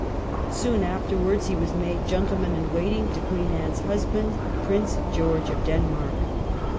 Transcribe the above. Soon afterwards he was made Gentle man in waiting to Queen Anne's husband, Prince George of Denmark.